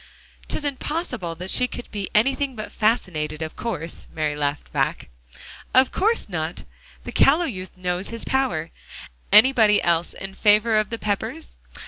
"'Tisn't possible that she could be anything but fascinated, of course," Mary laughed back. "Of course not. The callow youth knows his power. Anybody else in favor of the Peppers?"